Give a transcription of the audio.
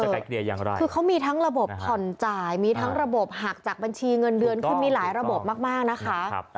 คือเขามีทั้งระบบผ่อนจ่ายมีทั้งระบบหักจากบัญชีเงินเดือนขึ้นมีหลายระบบมากนะคะ